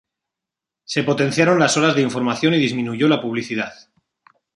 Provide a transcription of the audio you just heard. Se potenciaron las horas de información y disminuyó la publicidad.